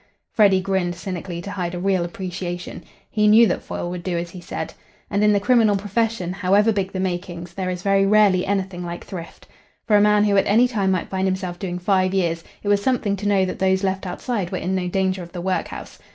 Freddy grinned cynically to hide a real appreciation. He knew that Foyle would do as he said. And in the criminal profession, however big the makings, there is very rarely anything like thrift. For a man who at any time might find himself doing five years, it was something to know that those left outside were in no danger of the workhouse.